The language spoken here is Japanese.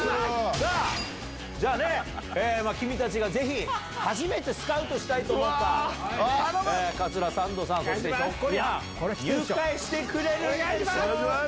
さあ、じゃあね、君たちがぜひ、初めてスカウトしたいと思った、桂三度さん、そしてひょっこりはん、入会してくれるでしょうか。